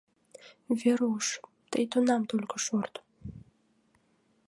Веруш, тый тунам только шорт.